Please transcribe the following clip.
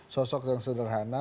sosok yang sederhana